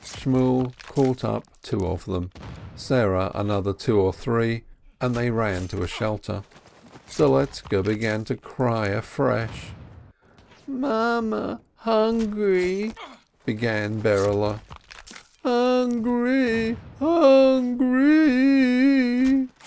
Shmuel caught up two of them, Sarah another two or three, and they ran to a shelter. Doletzke began to cry afresh. "Mame, hungry!" began Berele. "Hungry, hungry!"